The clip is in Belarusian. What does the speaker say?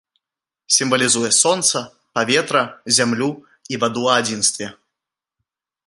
Сімвалізуе сонца, паветра, зямлю і ваду ў адзінстве.